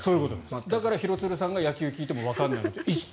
だから廣津留さんが野球の話を聞いてもわからない。